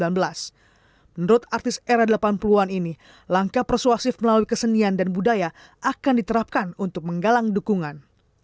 menurut artis era delapan puluh an ini langkah persuasif melalui kesenian dan budaya akan diterapkan untuk menggalang dukungan